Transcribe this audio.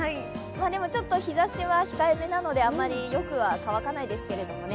でも日ざしは控えめなのであまりよくは乾かないですけどね。